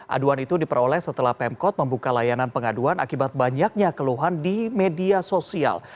aduan itu diperoleh setelah pemkot membuka layanan pengaduan akibat banyaknya keluhan di media sosial